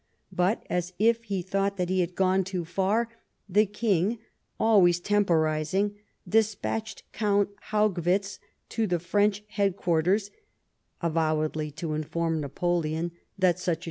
But, as if he thought that he had gone too far, the King, always temporising, despatched Count Haugwitz to the French head quarters, avowedly to intbrm Napoleon that such a EARLY TEAINING.